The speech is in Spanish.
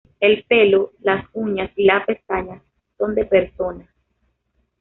El pelo, las uñas y las pestañas son de persona.